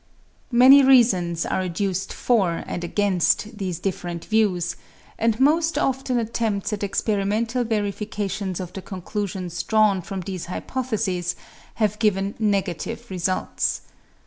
Many reasons are adduced for and against these different views, and most often attempts at experimental verifications of the conclusions drawn from these hypotheses have given negative results.